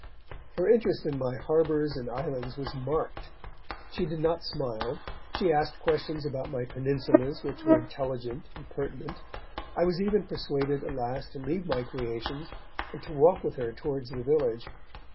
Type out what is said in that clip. Her interest in my harbours and islands was marked; she did not smile; she asked questions about my peninsulas which were intelligent and pertinent. I was even persuaded at last to leave my creations and to walk with her towards the village.